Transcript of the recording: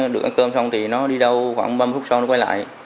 được ăn cơm xong thì nó đi đâu khoảng bâm phút sau nó quay lại